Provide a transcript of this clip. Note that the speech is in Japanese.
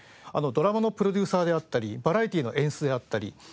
ドラマのプロデューサーであったりバラエティーの演出であったり。